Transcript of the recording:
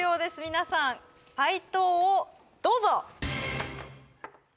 皆さん解答をどうぞ！